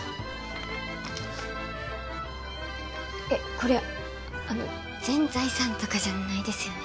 これあの全財産とかじゃないですよね。